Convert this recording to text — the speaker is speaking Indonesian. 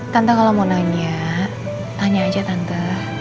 tante kalau mau nanya tanya aja tangga